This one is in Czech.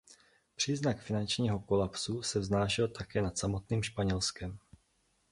Přízrak finančního kolapsu se vznášel také nad samotným Španělskem.